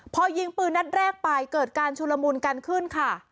พอยิงปืนนัดแรกไปเกิดการชุลมุนกันขึ้นค่ะ